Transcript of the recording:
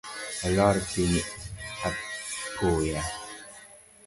Olor piny apoya